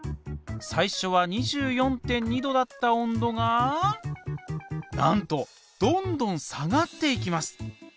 最初は２４．２℃だった温度がなんとどんどん下がっていきます！